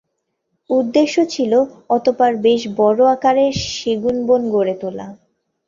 উদ্দেশ্য ছিল অতঃপর বেশ বড় আকারের সেগুনবন গড়ে তোলা।